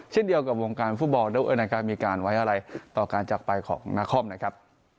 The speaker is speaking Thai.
เช่นเดียวกับวงการฟุตบอลด้วยนะครับมีการไว้อะไรต่อการจักรไปของนาคอมนะครับ